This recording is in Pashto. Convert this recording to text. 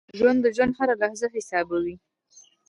ژوندي د ژوند هره لحظه حسابوي